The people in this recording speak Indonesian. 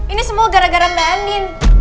ini semua gara gara mbak andin